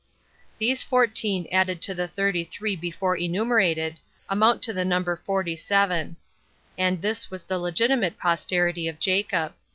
These fourteen added to the thirty three before enumerated, amount to the number forty seven. And this was the legitimate posterity of Jacob.